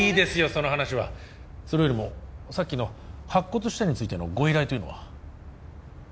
その話はそれよりもさっきの白骨死体についてのご依頼というのは？